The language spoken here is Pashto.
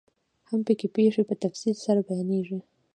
هم پکې پيښې په تفصیل سره بیانیږي.